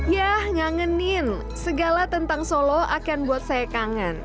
yah ngangenin segala tentang solo akan buat saya kangen